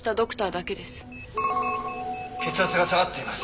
血圧が下がっています。